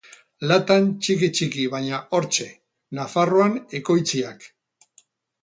Latan, txiki-txiki, baina hortxe: Nafarroan ekoitziak.